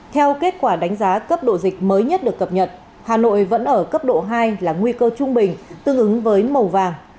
theo kết quả đánh giá cấp độ dịch mới nhất được cập nhật hà nội vẫn ở cấp độ hai là nguy cơ trung bình tương ứng với màu vàng